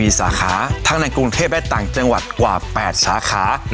มีสาขาทั้งในกรุงเทพและต่างจังหวัดกว่า๘สาขา